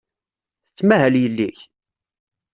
Tettmahal yelli-k?